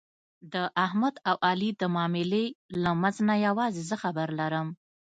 د احمد او علي د معاملې له منځ نه یووازې زه خبر لرم.